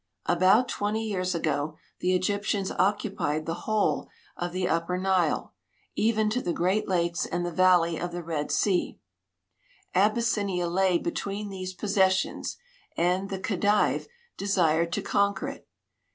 About twenty years ago the Egyptians occupied the whole of 170 AFRICA SINCE 18S8 tlie upper Nile, even to the Gi*eat Lakes and the valley of the Red sea. Ab}'ssinia lay between these possessions, and the Khedive desired to conquer it.